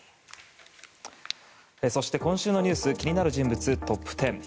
そして、今週のニュース気になる人物トップ１０。